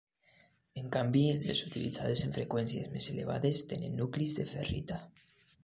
En canvi, les utilitzades en freqüències més elevades tenen nuclis de ferrita.